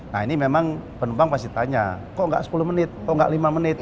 nah ini memang penumpang pasti tanya kok nggak sepuluh menit kok nggak lima menit